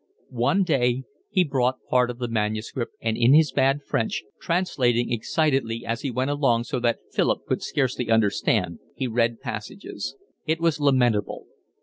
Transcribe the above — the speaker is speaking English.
One day he brought part of the manuscript, and in his bad French, translating excitedly as he went along so that Philip could scarcely understand, he read passages. It was lamentable.